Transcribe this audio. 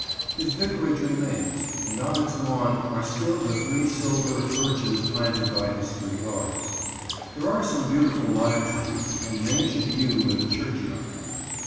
His vicarage remains, and on its lawn are still the three silver birches planted by his three daughters. There are some beautiful lime trees and an ancient yew in the churchyard.